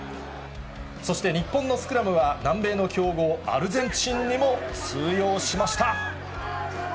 そして、日本のスクラムは、南米の強豪、アルゼンチンにも通用しました。